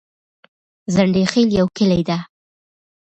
ځنډيخيل يو کلي ده